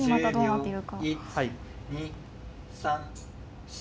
はい。